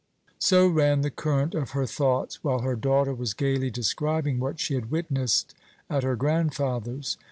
So ran the current of her thoughts while her daughter was gaily describing what she had witnessed at her grandfather's.